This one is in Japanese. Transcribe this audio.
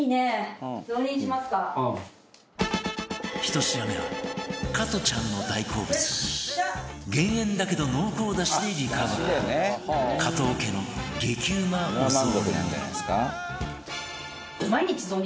１品目は加トちゃんの大好物減塩だけど濃厚出汁でリカバー加藤家の激ウマお雑煮